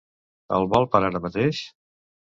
El vol per ara mateix?